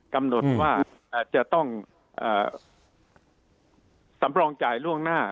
กำหนดว่าจะต้องสำรองจ่ายล่วงหน้า